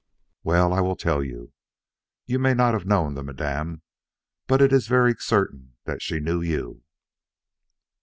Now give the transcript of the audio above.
"Well, I will tell you. You may not have known the Madame; but it is very certain that she knew you."